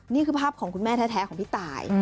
นี่คือภาพของคุณแม่แท้ของพี่ตาย